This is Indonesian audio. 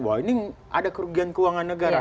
bahwa ini ada kerugian keuangan negara